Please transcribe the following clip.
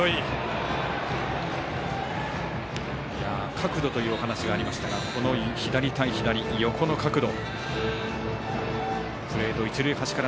角度というお話がありましたが左対左、横の角度。